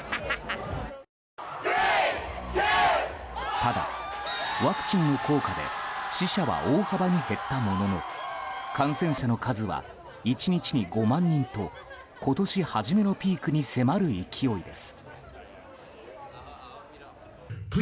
ただ、ワクチンの効果で死者は大幅に減ったものの感染者の数は１日に５万人と今年初めのピークに迫る勢いです。